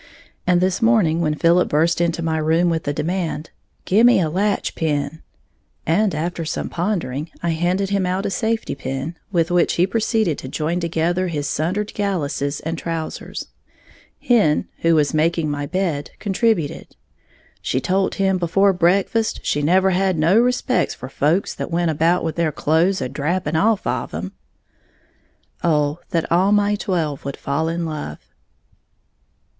And this morning when Philip burst into my room with the demand, "Gimme a latch pin", and after some pondering I handed him out a safety pin, with which he proceeded to join together his sundered gallusses and trousers, Hen, who was making my bed, contributed, "She tolt him before breakfast she never had no respects for folks that went about with their clothes a drapping off 'em!" Oh that all my twelve would fall in love!